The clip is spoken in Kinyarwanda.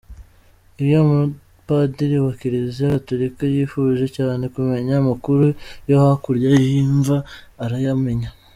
Iyo umupadiri wa Kiliziya gatolika yifuje cyane kumenya amakuru yo hakurya y’imva arayamenya.